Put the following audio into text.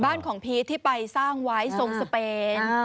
บ้านของพีชที่ไปสร้างไว้ทรงสเปน